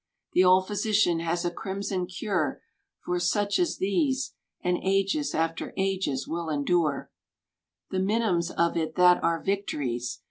The Old Physician has a crimson cure For such as these. And ages after ages will endure i34f The minims of it Oiat are victories.